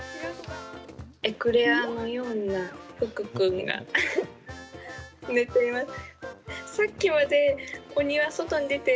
エクレアのようなフク君が寝ています。